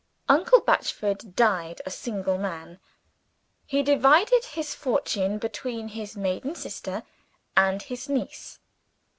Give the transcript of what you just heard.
Uncle Batchford died a single man. He divided his fortune between his maiden sister, and his niece.